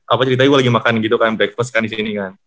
apa ceritanya gue lagi makan gitu kan breakfast kan disini kan